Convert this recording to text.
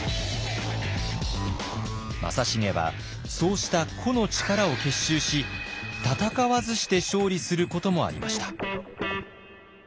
正成はそうした個の力を結集し戦わずして勝利することもありました。